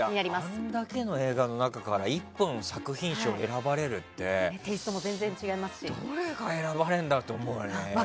あれだけの映画の中から１本の作品賞が選ばれるってどれが選ばれるんだろうって思うよね。